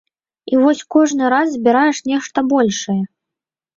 І вось кожны раз збіраеш нешта большае.